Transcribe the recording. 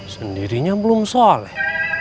sendirinya belum sholat